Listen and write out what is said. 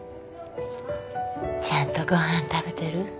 ちゃんとご飯食べてる？